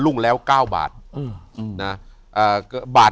อยู่ที่แม่ศรีวิรัยิลครับ